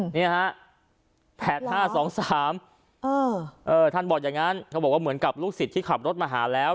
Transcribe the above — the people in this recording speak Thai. อืมนี่ฮะแผดห้าสองสามเออเออท่านบอกอย่างงั้นเขาบอกว่าเหมือนกับลูกศิษย์ที่ขับรถมาหาแล้ว